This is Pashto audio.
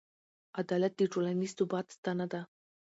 عدالت د ټولنیز ثبات ستنه ده.